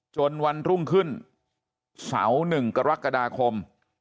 วันรุ่งขึ้นเสา๑กรกฎาคม